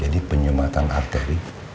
jadi penyumatan arteri